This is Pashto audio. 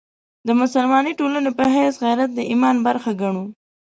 د مسلمانې ټولنې په حیث غیرت د ایمان برخه ګڼو.